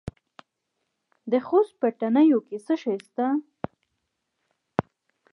د خوست په تڼیو کې څه شی شته؟